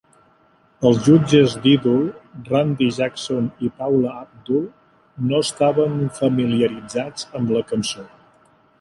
Els jutges d'"Idol", Randy Jackson i Paula Abdul, no estaven familiaritzats amb la cançó.